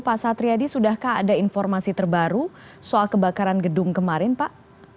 pak satriadi sudahkah ada informasi terbaru soal kebakaran gedung kemarin pak